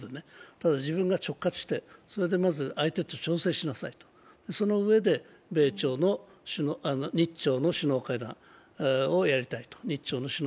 ただ自分が直轄して、それで相手と調整しなさい、そのうえで、日朝の首脳会談をやりたいと。